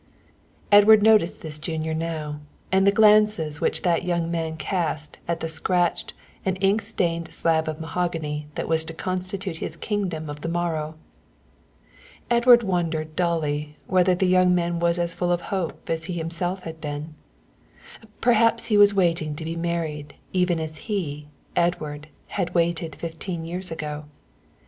Edward noticed this junior now and the glances which that young man cast at the scratched and ink stained slab of mahogany that was to constitute his kingdom of the morrow. Edward wondered dully whether the young man was as full of hope as he himself had been. Perhaps he was waiting to be married even as he, Edward, had waited fifteen years ago.